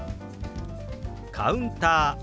「カウンター」。